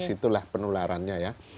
itulah penularannya ya